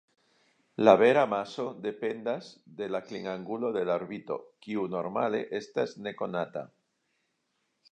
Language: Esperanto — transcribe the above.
La vera maso dependas de la klinangulo de la orbito, kiu normale estas nekonata.